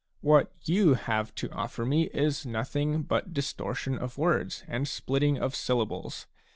a What you have to offer me is nothing but distortion of words and splitting of syllables.